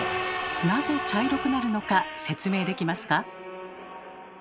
なぜ茶色くなるのか説明できますか？